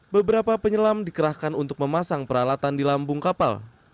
beberapa penyelam dikerahkan untuk memasang peralatan di lambung kapal